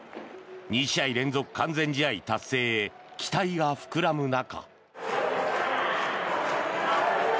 ２試合連続完全試合達成へ期待が膨らむ中。